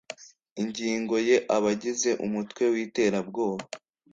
Ingingo Y Abagize Umutwe Witerabwoba